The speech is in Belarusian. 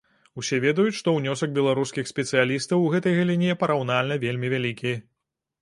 Усе ведаюць, што ўнёсак беларускіх спецыялістаў у гэтай галіне параўнальна вельмі вялікі.